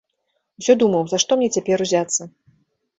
Усё думаў, за што мне цяпер узяцца.